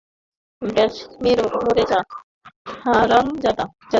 ব্যস মরে যা, হারামজাদী!